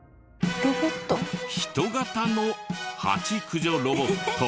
人型のハチ駆除ロボット。